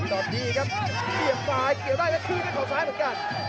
ตอนนี้ครับเสียบซ้ายเกี่ยวได้แล้วคืนด้วยเขาซ้ายเหมือนกัน